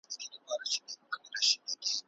دا علم د ټولنیزې فلسفې په نامه یادیده.